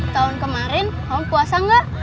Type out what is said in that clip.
tahun kemarin kamu puasa gak